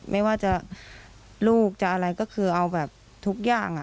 ไม่ว่าจะลูกจะอะไรก็คือเอาแบบทุกอย่าง